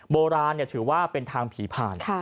โบราณถือว่าเป็นทางผีผ่าน